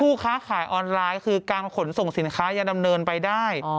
ค้าขายออนไลน์คือการขนส่งสินค้าจะดำเนินไปได้